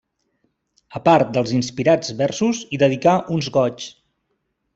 A part dels inspirats versos, hi dedicà uns Goigs.